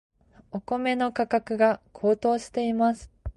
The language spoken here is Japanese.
お米の価格が高騰しています。